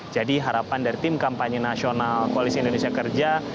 jadi harapan dari tim kampanye nasional koalisi indonesia kerja